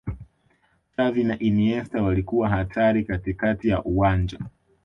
xavi na iniesta walikuwa hatari katikati ya uwanja